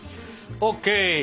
ＯＫ！